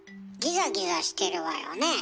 ギザギザしてるわよね？